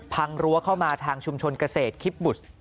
รั้วเข้ามาทางชุมชนเกษตรคิปบุช